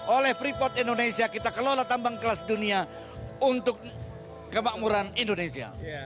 oleh freeport indonesia kita kelola tambang kelas dunia untuk kemakmuran indonesia